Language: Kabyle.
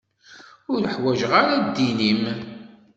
Ur ḥwaǧeɣ ara ddin-im.